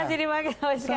masih dipakai sampai sekarang